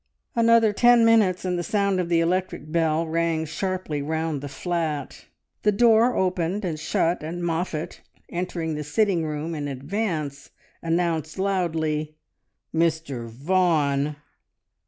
Another ten minutes and the sound of the electric bell rang sharply round the flat. The door opened and shut, and Moffatt, entering the sitting room in advance, announced loudly "Mr Vaughan!"